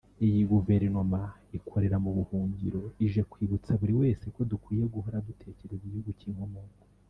Iyi Guverinoma ikorera mu buhungiro ije kwibutsa buri wese ko dukwiye guhora dutekereza igihugu cy’inkomoko